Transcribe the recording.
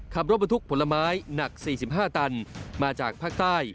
ขับรถบรรทุกผลไม้หนัก๔๕ตันมาจากภาคใต้